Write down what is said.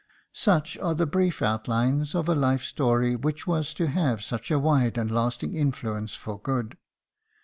Such are the brief outlines of a life story which was to have such a wide and lasting influence for good.